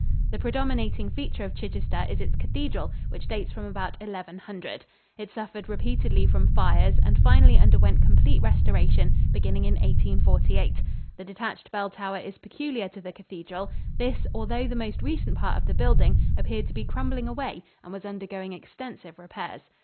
The predominating feature of Chichester is its cathedral, which dates from about 1100. It suffered repeatedly from fires and finally underwent complete restoration, beginning in 1848. The detached bell tower is peculiar to the cathedral. This, although the most recent part of the building, appeared to be crumbling away and was undergoing extensive repairs.